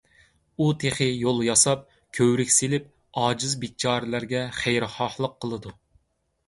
ئۇ تېخى يول ياساپ، كۆۋرۈك سېلىپ، ئاجىز - بىچارىلەرگە خەيرخاھلىق قىلىدۇ.